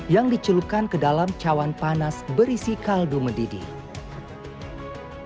yang dicelupkan ke dalam cawan panas berisi kaldu mendidih